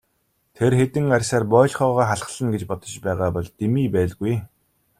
Тэр хэдэн арьсаар боольхойгоо халхална гэж бодож байгаа бол дэмий байлгүй.